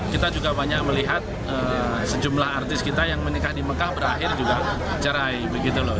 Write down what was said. kita juga banyak melihat sejumlah artis kita yang menikah di mekah berakhir juga cerai begitu loh